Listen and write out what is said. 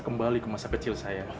kembali ke masa kecil saya